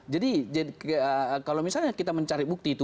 jadi kalau misalnya kita mencari bukti itu